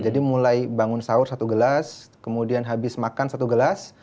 jadi mulai bangun sahur satu gelas kemudian habis makan satu gelas